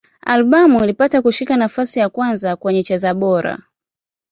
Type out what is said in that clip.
Albamu ilipata kushika nafasi ya kwanza kwenye cha za Bora.